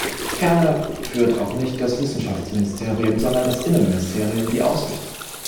Ferner führt auch nicht das Wissenschaftsministerium, sondern das Innenministerium die Aufsicht.